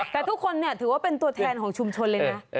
แต่ทุกคนถือว่าเป็นตัวแทนของชุมชนเลยนะ